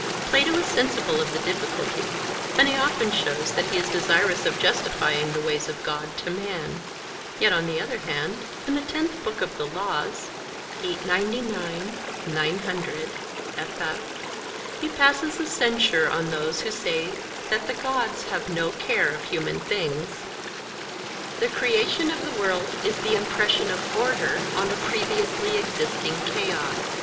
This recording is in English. Plato is sensible of the difficulty; and he often shows that he is desirous of justifying the ways of God to man. Yet on the other hand, in the Tenth Book of the Laws he passes a censure on those who say that the Gods have no care of human things. The creation of the world is the impression of order on a previously existing chaos.